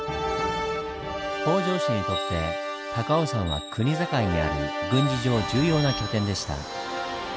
北条氏にとって高尾山は国境にある軍事上重要な拠点でした。